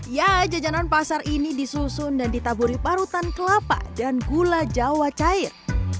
ya jajanan pasar ini disusun dan ditaburi parutan kelapa dan gula jawa cair